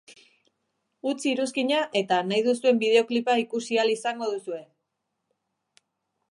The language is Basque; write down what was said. Utzi iruzkina eta nahi duzuen bideoklipa ikusi ahal izango duzue!